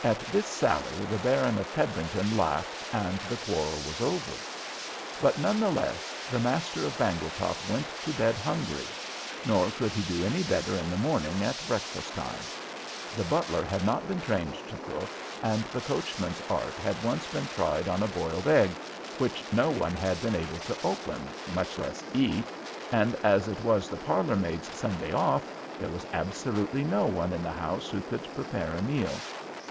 At this sally the Baron of Peddlington laughed and the quarrel was over. But none the less the master of Bangletop went to bed hungry; nor could he do any better in the morning at breakfast time. The butler had not been trained to cook, and the coachman's art had once been tried on a boiled egg, which no one had been able to open, much less eat, and as it was the parlor maid's Sunday off, there was absolutely no one in the house who could prepare a meal.